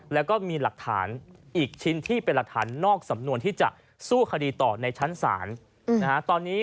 และก็มีหลักฐานอีกชิ้นที่เป็นหลักฐาน